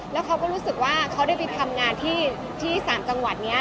แล้วเขาก็รู้สึกว่าเขาได้ไปทำงานที่๓จังหวัดนี้